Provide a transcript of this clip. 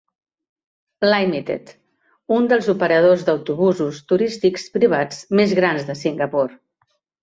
Limited, un dels operadors d'autobusos turístics privats més grans de Singapur.